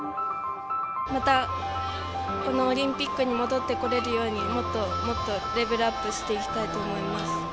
またこのオリンピックに戻ってこれるように、もっともっとレベルアップしていきたいと思います。